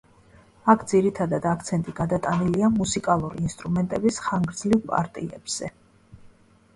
აქ ძირითადად აქცენტი გადატანილია, მუსიკალური ინსტრუმენტების ხანგრძლივ პარტიებზე.